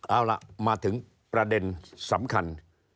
เอาล่ะมาถึงประเด็นสำคัญ